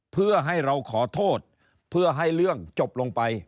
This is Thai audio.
เพื่อให้เราขอโทษเพื่อให้เรื่องจบลงไป